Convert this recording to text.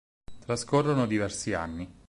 Trascorrono diversi anni.